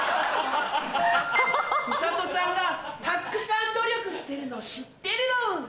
美里ちゃんがたっくさん努力してるの知ってるロン！